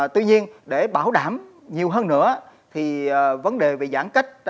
tuy nhiên để bảo đảm nhiều hơn nữa thì vấn đề về giãn cách